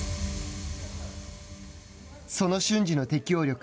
その瞬時の適応力